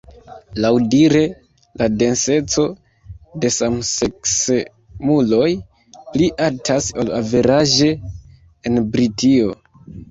Laŭdire la denseco de samseksemuloj pli altas ol averaĝe en Britio.